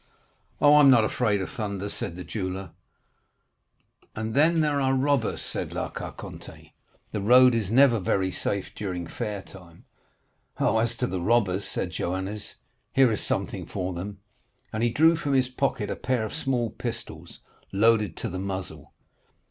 "'Oh, I am not afraid of thunder,' said the jeweller. "'And then there are robbers,' said La Carconte. 'The road is never very safe during fair time.' "'Oh, as to the robbers,' said Joannes, 'here is something for them,' and he drew from his pocket a pair of small pistols, loaded to the muzzle.